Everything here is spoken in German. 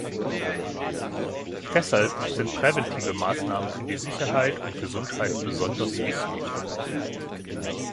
Deshalb sind präventive Maßnahmen für die Sicherheit und Gesundheit besonders wichtig.